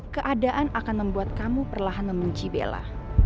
keadaan akan membuat kamu perlahan membenci bella